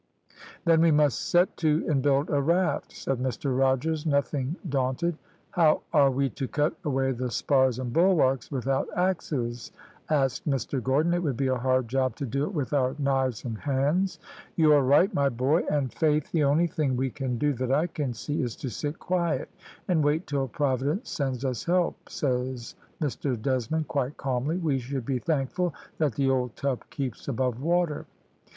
"`Then we must set to and build a raft,' said Mr Rogers, nothing daunted. "`How are we to cut away the spars and bulwarks without axes?' asked Mr Gordon. `It would be a hard job to do it with our knives and hands.' "`You are right, my boy, and faith, the only thing we can do that I can see is to sit quiet, and wait till Providence sends us help,' says Mr Desmond, quite calmly. `We should be thankful that the old tub keeps above water.